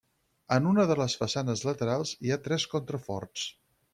En una de les façanes laterals hi ha tres contraforts.